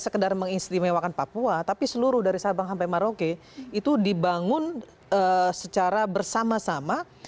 sekedar mengistimewakan papua tapi seluruh dari sabang sampai maroke itu dibangun secara bersama sama